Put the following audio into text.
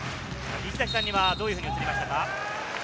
石崎さんにはどういうふうに映りましたか？